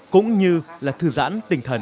cũng như là thư giãn tinh thần